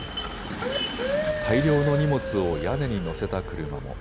大量の荷物を屋根に乗せた車も。